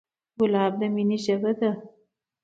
ګلاب د مینې ژبه ده.